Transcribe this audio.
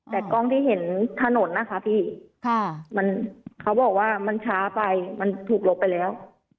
แต่กล้องที่เห็นถนนนะคะพี่เขาบอกว่ามันช้าไปมันถูกลบไปแล้ว